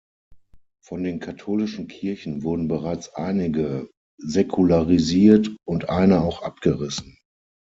Von den katholischen Kirchen wurden bereits einige säkularisiert und eine auch abgerissen.